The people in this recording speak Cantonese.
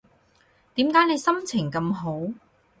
點解你心情咁好